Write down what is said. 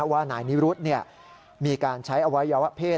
ว่านายนิรุธมีการใช้อวัยวะเพศ